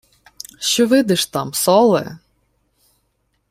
— Що видиш там, соле?